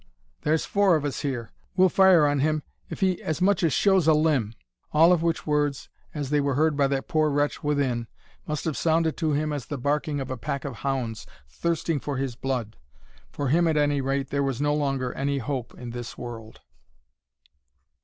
"There's four of us here; we'll fire on him if he as much as shows a limb." All of which words as they were heard by that poor wretch within, must have sounded to him as the barking of a pack of hounds thirsting for his blood. For him at any rate there was no longer any hope in this world.